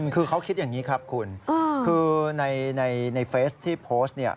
คือเขาคิดอย่างนี้ครับคุณคือในเฟสที่โพสต์เนี่ย